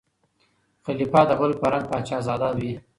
خلیفه د بل په رنګ پاچا زاده وي